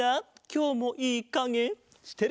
きょうもいいかげですな。